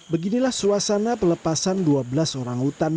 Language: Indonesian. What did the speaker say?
beginilah suasana pelepasan dua belas orang hutan